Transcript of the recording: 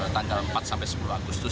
tanggal empat sampai sepuluh agustus